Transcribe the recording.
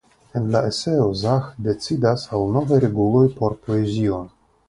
En la eseo Zaĥ decidas al novaj reguloj por poezio.